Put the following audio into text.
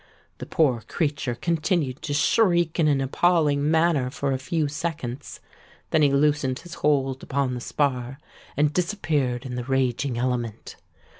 The poor creature continued to shriek in an appalling manner for a few seconds: then he loosened his hold upon the spar, and disappeared in the raging element.